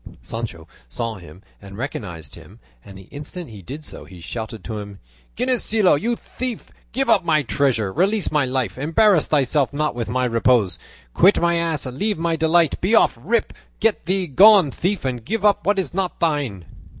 Sancho saw him and recognised him, and the instant he did so he shouted to him, "Ginesillo, you thief, give up my treasure, release my life, embarrass thyself not with my repose, quit my ass, leave my delight, be off, rip, get thee gone, thief, and give up what is not thine."